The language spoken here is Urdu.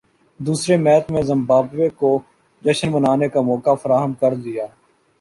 دوسرے میچ میں زمبابوے کو جشن منانے کا موقع فراہم کردیا